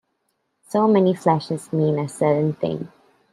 So many flashes mean a certain thing.